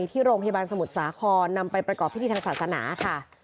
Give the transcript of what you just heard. ที่โรงพยาบาลสมุทรสาครนำไปประกอบพิธีทางศาสนาค่ะ